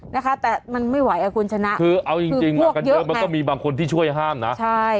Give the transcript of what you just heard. นะคะแต่มันไม่ไหวอ่ะคุณชนะคือเอาจริงจริงมากันเยอะมันก็มีบางคนที่ช่วยห้ามนะใช่